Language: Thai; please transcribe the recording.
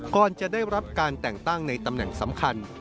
ก่อนจะได้รับการแต่งตั้งในตำแหน่งสำคัญ